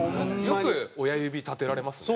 よく親指立てられますね。